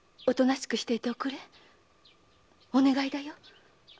お願いだよ。